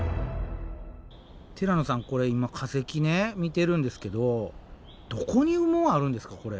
ティラノさんこれ今化石見てるんですけどどこに羽毛あるんですかこれ。